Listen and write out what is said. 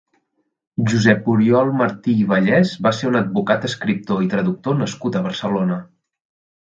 Josep Oriol Martí i Ballès va ser un advocat, escriptor i traductor nascut a Barcelona.